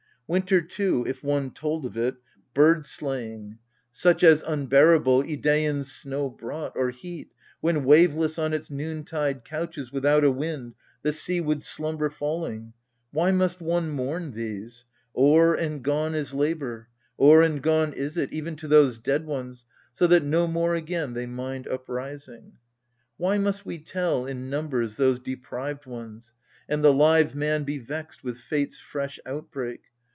Winter, too, if one told of it — bird slaying — 48 AGAMEMNON. Such as, unbearable, Idaian snow brought — Or heat, when waveless, on its noontide couches Without a wind, the sea would slumber falling — Why must one mourn these ? O'er and gone is labour O'er and gone is it, even to those dead ones, So that no more again they mind uprising. Why must we tell in numbers those deprived ones, And the live m^n be vexed with fate's fresh outbreak